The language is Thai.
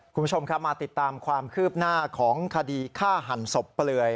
คุณผู้ชมครับมาติดตามความคืบหน้าของคดีฆ่าหันศพเปลือย